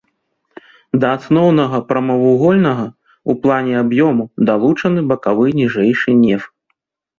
Да асноўнага прамавугольнага ў плане аб'ёму далучаны бакавы ніжэйшы неф.